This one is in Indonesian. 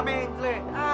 lanjut pak lurah